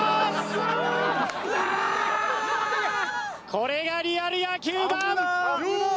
これがリアル野球ＢＡＮ。